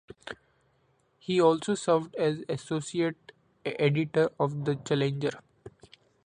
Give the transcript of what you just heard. He also served as Associate Editor of the "Challenger".